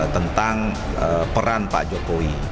tentang peran pak jokowi